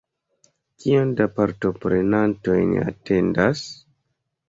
Kion da partoprenantoj ni atendas?